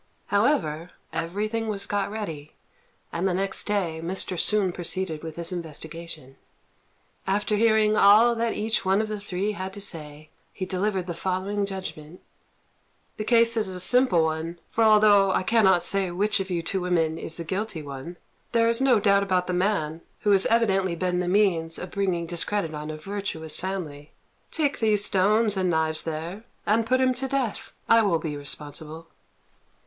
However, everything was got ready, and the next day Mr. Sun proceeded with his investigation. After hearing all that each one of the three had to say, he delivered the following judgment: "The case is a simple one; for although I cannot say which of you two women is the guilty one, there is no doubt about the man, who has evidently been the means of bringing discredit on a virtuous family. Take those stones and knives there and put him to death. I will be responsible."